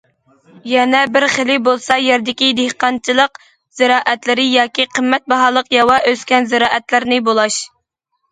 يەنە بىر خىلى بولسا يەردىكى دېھقانچىلىق زىرائەتلىرى ياكى قىممەت باھالىق ياۋا ئۆسكەن زىرائەتلەرنى بۇلاش.